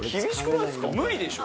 無理でしょう。